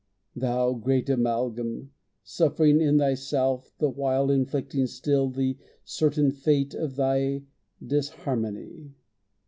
Thou great amalgam! Suffering in thyself, The while inflicting still the certain fate Of thy disharmony.